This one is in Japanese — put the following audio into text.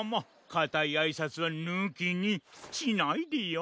かたいあいさつはぬきにしないでよ。